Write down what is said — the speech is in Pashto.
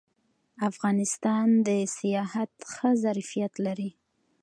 افغانستان د سیاحت ښه ظرفیت لري